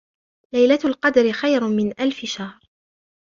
لَيْلَةُ الْقَدْرِ خَيْرٌ مِنْ أَلْفِ شَهْرٍ